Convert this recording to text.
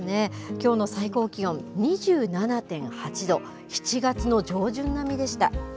きょうの最高気温２７．８度、７月の上旬並みでした。